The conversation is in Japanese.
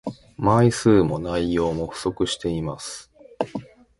枚数も内容も不足しています